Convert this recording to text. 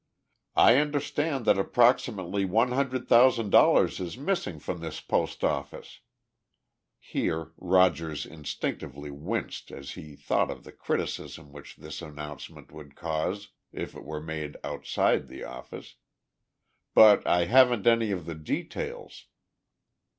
"I understand that approximately one hundred thousand dollars is missing from this post office" (here Rogers instinctively winced as he thought of the criticism which this announcement would cause if it were made outside the office), "but I haven't any of the details."